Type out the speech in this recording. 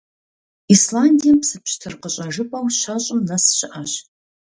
Исландием псы пщтыр къыщӀэжыпӀэу щэщӏым нэс щыӀэщ.